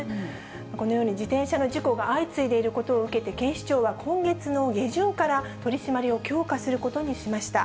このように自転車の事故が相次いでいることを受けて、警視庁は今月の下旬から、取締りを強化することにしました。